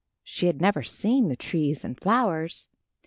She had never seen the trees and flowers.